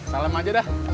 salam aja dah